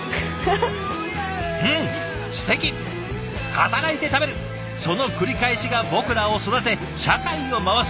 働いて食べるその繰り返しが僕らを育て社会を回す！